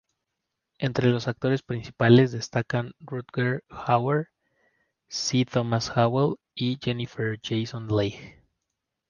Entre los actores principales destacan Rutger Hauer, C. Thomas Howell y Jennifer Jason Leigh.